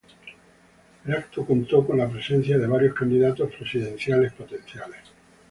El evento contó con la presencia de varios candidatos presidenciales potenciales.